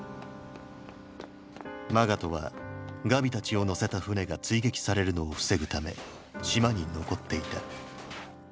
マガトはガビたちを乗せた船が追撃されるのを防ぐため島に残っていた。